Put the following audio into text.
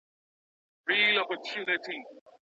که ته غواړې ویډیو جوړه کړې نو لومړی یې باید ایډیټ کړي.